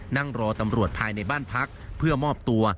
นั่งรอตำรวจภายในบ้านพักเพื่อมอบตัว